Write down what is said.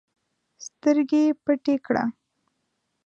سترګي پټي کړه!